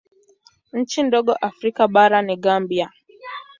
Nchi ndogo Afrika bara ni Gambia.